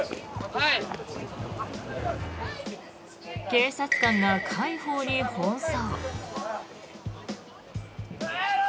警察官が介抱に奔走。